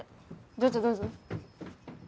どうぞどうぞ。